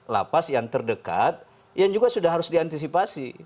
lapas yang terdekat yang juga sudah harus diantisipasi